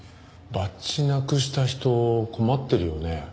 バッジなくした人困ってるよね。